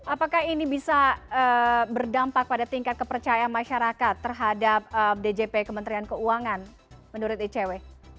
apakah ini bisa berdampak pada tingkat kepercayaan masyarakat terhadap djp kementerian keuangan menurut icw